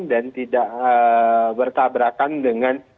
dan tidak bertabrakan dengan